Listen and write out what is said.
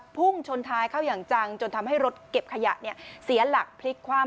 พุ่งชนท้ายเข้าอย่างจังจนทำให้รถเก็บขยะเนี่ยเสียหลักพลิกคว่ำ